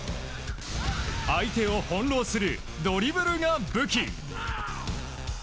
相手を翻弄するドリブルが武器。